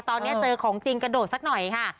ตอนนี้เจอของจริงกระโดดสักหน่อยค่ะ